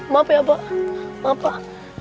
maaf ya pak maaf pak